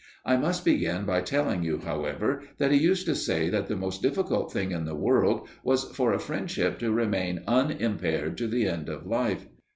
I must begin by telling you, however, that he used to say that the most difficult thing in the world was for a friendship to remain unimpaired to the end of life.